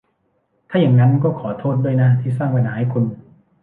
ถ้าอย่างนั้นก็ขอโทษด้วยนะที่สร้างปัญหาให้คุณ